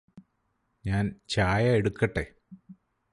ഞാൻ ചായ എടുക്കട്ടേ?